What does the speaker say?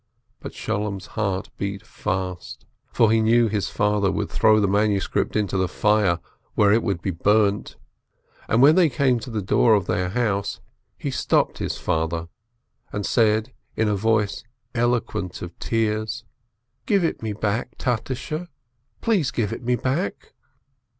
But Sholem's heart beat fast, for he knew his father would throw the manuscript into the fire, where it would be burnt, and when they came to the door of their house, he stopped his father, and said in a voice eloquent of tears : "Give it me back, Tatishe, please give it me back